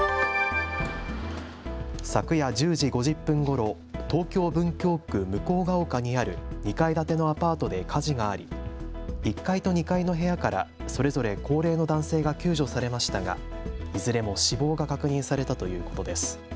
昨夜１０時５０分ごろ、東京文京区向丘にある２階建てのアパートで火事があり１階と２階の部屋からそれぞれ高齢の男性が救助されましたがいずれも死亡が確認されたということです。